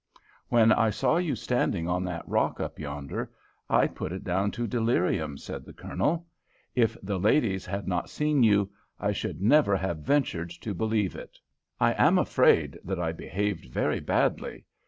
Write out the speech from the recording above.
"When I saw you standing on that rock up yonder, I put it down to delirium," said the Colonel. "If the ladies had not seen you, I should never have ventured to believe it." "I am afraid that I behaved very badly.